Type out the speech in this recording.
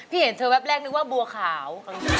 เห็นเธอแป๊บแรกนึกว่าบัวขาว